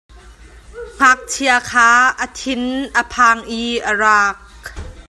Ngakchia kha a thin a phang i a raak.